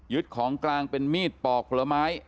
ยึดของกลางเป็นมีดปอกปลอม้าย